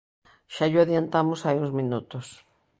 Xa llo adiantamos hai uns minutos.